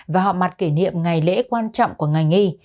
và họ mặt kỷ niệm ngày lễ quan trọng của ngày nghi